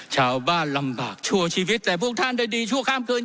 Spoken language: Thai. ชาวบ้านลำบากชั่วชีวิตแต่พวกท่านได้ดีชั่วข้ามคืน